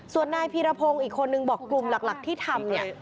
ส่วนนายพีรพงศ์อีกคนนึงบอกกลุ่มหลักที่ทำเนี่ย